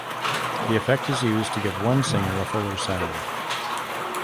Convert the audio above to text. The effect is used to give one singer a fuller sound.